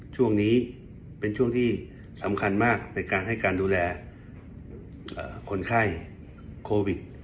ช่วงนี้เป็นช่วงที่สำคัญมากในการให้การดูแลคนไข้โควิด